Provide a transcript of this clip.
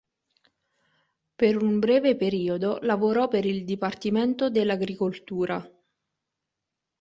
Per un breve periodo lavorò per il Dipartimento dell'Agricoltura.